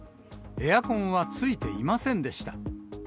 エアコンはついていませんでした。